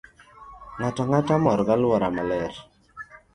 Ng'ato ang'ata mor gi alwora maler.